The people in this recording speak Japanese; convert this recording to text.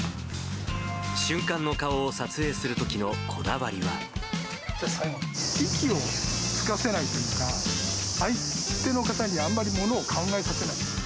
瞬間の顔を撮影するときのこ息をつかせないというか、相手の方にあんまりものを考えさせない。